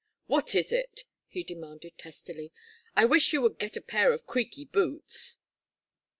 "What is it?" he demanded, testily. "I wish you would get a pair of creaky boots."